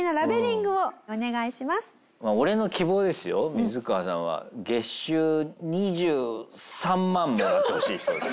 ミズカワさんは月収２３万もらってほしい人です。